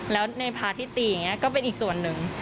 แล้วในพาที่ตีอย่างนี้ก็เป็นอีกส่วนหนึ่ง